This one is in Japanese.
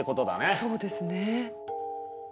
そうですね。